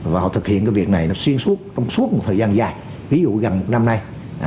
và họ thực hiện cái việc này nó xuyên suốt trong suốt một thời gian dài ví dụ gần một năm nay